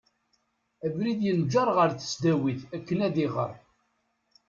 Abrid yenǧer ɣer tesdawit akken ad iɣer.